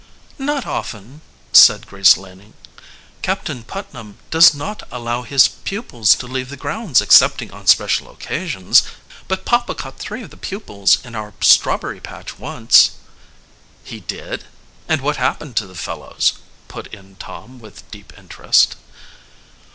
"Not often," said Grace Laning. "Captain Putnam does not allow his pupils to leave the grounds excepting on special occasions. But papa caught three of the pupils in our strawberry patch once." "He did? And what happened to the fellows?" put in Tom with deep interest.